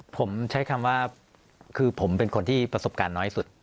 ผมใช้คำว่าคือผมเป็นคนที่ประสบการณ์น้อยสุด